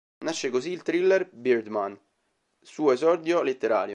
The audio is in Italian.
Nasce così il thriller "Birdman", suo esordio letterario.